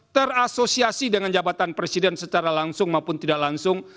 terasosiasi dengan jabatan presiden secara langsung maupun tidak langsung